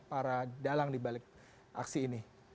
para dalang dibalik aksi ini